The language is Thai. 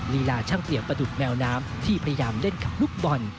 ลีลาช่างเปรียบประดุกแมวน้ำที่พยายามเล่นกับลูกบอล